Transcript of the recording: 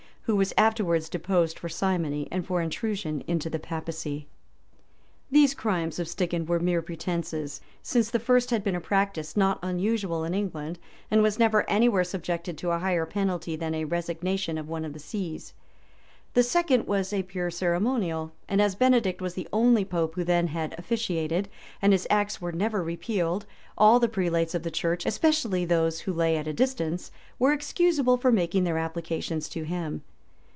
who was afterwards deposed for simony, and for intrusion into the papacy.[*] [* Hoveden, p. 453. Diceto, p. 482. Knyghton, p. 2345. Anglia Sacra, vol. i. p. 5, 6. Ypod. Neust. p. 438.] These crimes of Stigand were mere pretences; since the first had been a practice not unusual in England, and was never any where subjected to a higher penalty than a resignation of one of the sees; the second was a pure ceremonial; and as Benedict was the only pope who then officiated, and his acts were never repealed, all the prelates of the church, especially thope who lay at a distance, were excusable for making their applications to him.